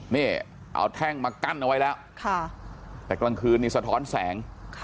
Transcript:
นี่เอาแท่งมากั้นเอาไว้แล้วแต่กลางคืนนี่สะท้อนแสง